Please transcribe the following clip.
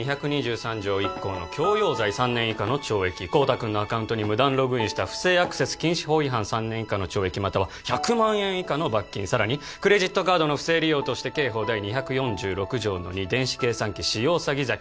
第２２３条１項の強要罪３年以下の懲役孝多君のアカウントに無断ログインした不正アクセス禁止法違反３年以下の懲役または１００万円以下の罰金さらにクレジットカードの不正利用として刑法第２４６条の２電子計算機使用詐欺罪